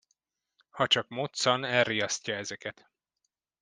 Ha csak moccan, elriasztja ezeket.